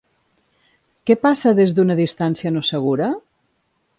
Què passa des d'una distància no segura?